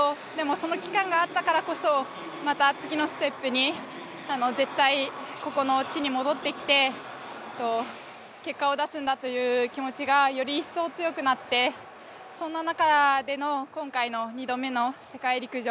その期間があったからこそ、また次のステップに、絶対、ここの地に戻ってきて結果を出すんだという気持ちがより一層強くなってそんな中での今回の２度目の世界陸上。